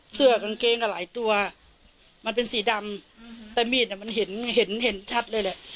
เสื้อกางเกงก็หลายตัวมันเป็นสีดำแต่มีดอ่ะมันเห็นเห็นชัดเลยแหละ